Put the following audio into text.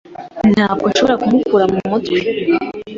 Ntabwo nshobora kumukura mu mutwe.